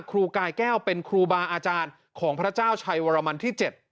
ครูกายแก้วเป็นครูบาอาจารย์ของพระเจ้าชัยวรมันที่๗